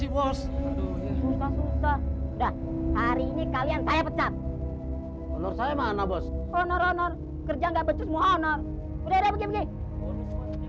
bos hari ini kalian saya pecat saya mana bos kerja nggak becus mohon